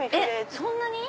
そんなに！